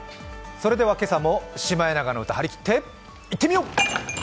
それでは今朝も「シマエナガの歌」張り切っていってみよう！